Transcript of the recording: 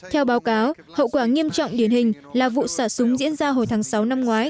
theo báo cáo hậu quả nghiêm trọng điển hình là vụ xả súng diễn ra hồi tháng sáu năm ngoái